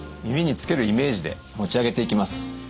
耳につけるイメージで持ち上げていきます。